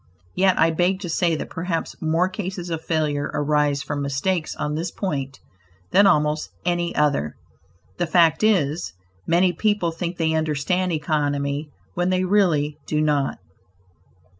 Yet I beg to say that perhaps more cases of failure arise from mistakes on this point than almost any other. The fact is, many people think they understand economy when they really do not.